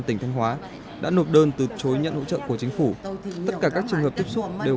tỉnh thanh hóa đã nộp đơn từ chối nhận hỗ trợ của chính phủ tất cả các trường hợp tiếp xúc đều